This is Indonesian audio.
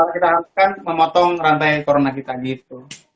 itu yang bisa kita lakukan memotong rantai corona kita gitu